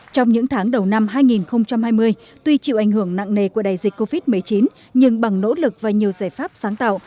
trong những tháng đầu năm hai nghìn hai mươi tuy chịu ảnh hưởng nặng nề của đại dịch covid một mươi chín nhưng bằng nỗ lực và nhiều giải pháp sáng tạo